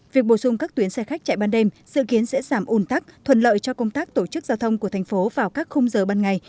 việc bổ sung các tuyến xe khách chạy ban đêm dự kiến sẽ giảm ủn tắc thuần lợi cho công tác tổ chức giao thông của thành phố vào các khung giờ ban ngày